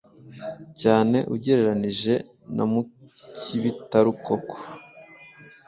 cyane ugereranije na mukibitarukoko